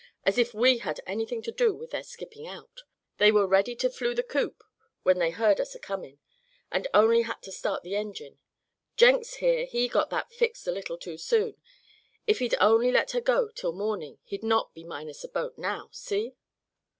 As if we had anything to do with their skipping out. They were ready to flew the coop when they heard us a comin', and only had to start the engine. Jenks, here he got that fixed a little too soon. If he'd only let her go till morning he'd not be minus a boat now, see?"